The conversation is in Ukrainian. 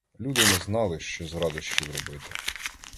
Люди не знали, що з радощів робити.